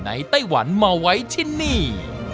ไหนไต้หวันมาไว้เฉ่นนี้